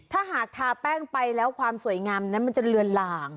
ถ้าหากทาแป้งไปแล้วความสวยงามนั้นมันจะเลือนหลาง